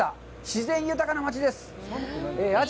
自然豊かな町です。